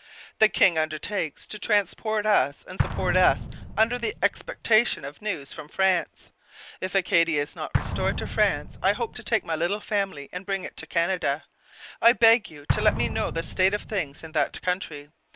The King undertakes to transport us and support us under the expectation of news from France. If Acadia is not restored to France I hope to take my little family and bring it to Canada. I beg you to let me know the state of things in that country.